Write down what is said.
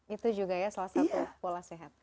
itu juga ya salah satu pola sehat